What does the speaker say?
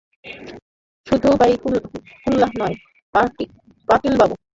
শুধু বাইকুল্লা নয়, পাটিল বাবু।